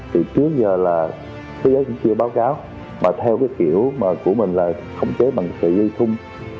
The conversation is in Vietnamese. thì trước giờ là thế giới chưa báo cáo mà theo kiểu của mình là không chế bằng sợi dây thung